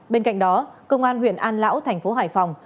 bên cạnh đó công an huyện an lão thành phố hải phòng